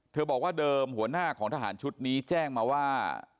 บอกว่าเดิมหัวหน้าของทหารชุดนี้แจ้งมาว่า